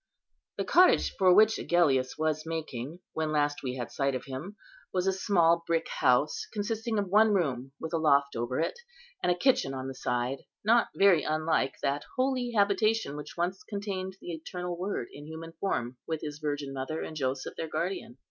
The cottage for which Agellius was making, when last we had sight of him, was a small brick house consisting of one room, with a loft over it, and a kitchen on the side, not very unlike that holy habitation which once contained the Eternal Word in human form with His Virgin Mother, and Joseph, their guardian.